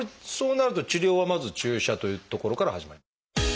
そうなると治療はまず注射というところから。